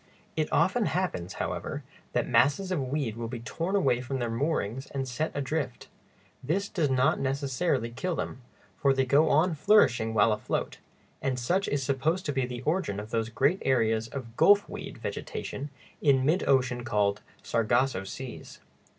It often happens, however, that masses of weed will be torn away from their moorings and set adrift. This does not necessarily kill them, for they go on flourishing while afloat, and such is supposed to be the origin of those great areas of "gulfweed" vegetation in mid ocean called "sargasso seas."